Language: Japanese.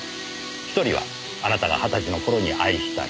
１人はあなたが二十歳の頃に愛した人。